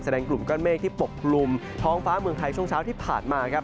กลุ่มก้อนเมฆที่ปกคลุมท้องฟ้าเมืองไทยช่วงเช้าที่ผ่านมาครับ